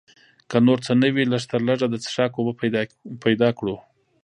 که نور څه نه وي لږ تر لږه د څښاک اوبه پیدا کړو.